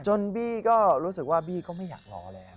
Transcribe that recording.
จนบีก็รู้สึกว่าบีก็ไม่อยากรอเลยครับ